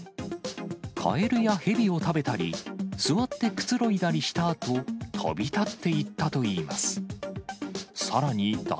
カエルやヘビを食べたり、座ってくつろいだりしたあと、飛び立っていったといいます。